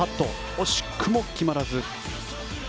惜しくも決まらず。